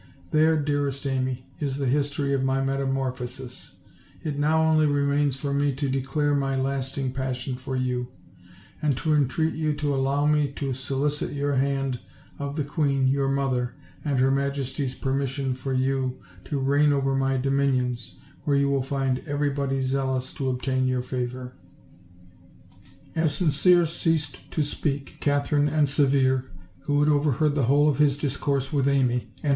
There, dearest Amy, is the history of my metamorphosis; it now only remains for me to declare my lasting passion for you, and to entreat you to allow me to solicit your hand of the queen your mother and her majesty's permission for you to reign over my dominions, where you will find every body zealous to obtain your favor." As Sincere cea: ; <l to speak, Katherine and Severe, who Sad overheard thu whole of his discourse with Amy, CO OLD, OLD FAIRY TALES.